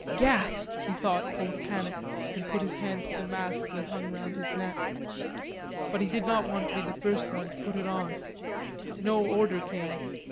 "Gas," he thought, full of panic, and put his hand to the mask that hung round his neck. But he did not want to be the first to put it on. No order came.